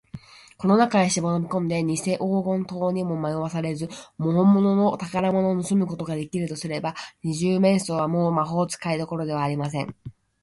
この中へしのびこんで、にせ黄金塔にもまよわされず、ほんものの宝物をぬすむことができるとすれば、二十面相は、もう魔法使いどころではありません。